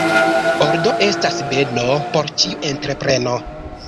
Ordo estas beno por ĉiu entrepreno.